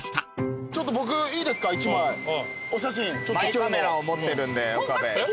マイカメラを持ってるんで岡部。